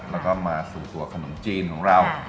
แล้วก็มาสู่ตัวขนมจีนของเรา